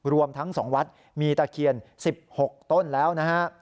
รวมทั้ง๒วัดมีตะเคียน๑๖ต้นแล้วนะฮะ